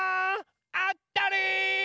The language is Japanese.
あったり！